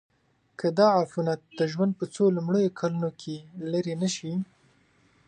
که دا عفونت د ژوند په څو لومړنیو کلونو کې لیرې نشي.